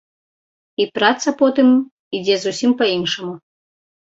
І праца потым ідзе зусім па-іншаму.